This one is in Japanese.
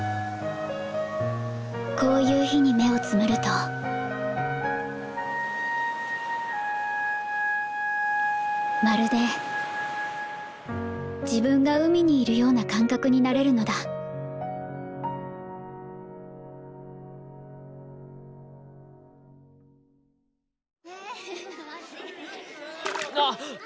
こういう日に目をつむるとまるで自分が海にいるような感覚になれるのだあっ！